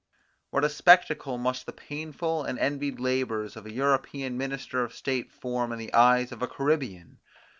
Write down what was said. What a spectacle must the painful and envied labours of an European minister of state form in the eyes of a Caribbean!